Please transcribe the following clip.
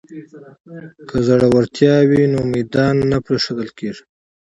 که زړورتیا وي نو میدان نه پریښودل کیږي.